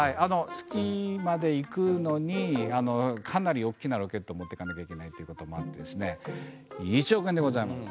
月まで行くのにかなり大きなロケットを持って行かなきゃいけないということもあって１億円でございます。